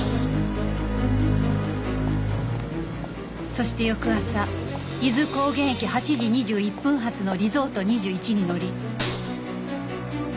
そして翌朝伊豆高原駅８時２１分発のリゾート２１に乗り。